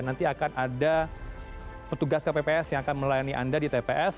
nanti akan ada petugas kpps yang akan melayani anda di tps